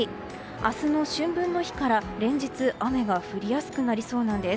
明日の春分の日から連日雨が降りやすくなりそうなんです。